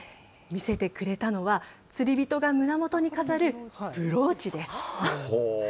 見せてくれたのは、釣り人が胸元に飾るブローチです。